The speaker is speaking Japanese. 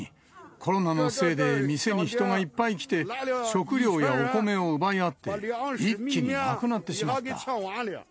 コロナのせいで店に人がいっぱい来て、食料やお米を奪い合って、一気になくなってしまった。